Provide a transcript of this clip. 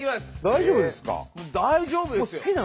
大丈夫ですよ。